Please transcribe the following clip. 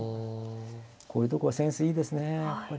こういうとこはセンスいいですねやっぱり。